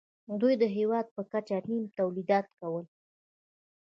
دوی د هېواد په کچه نیم تولیدات کول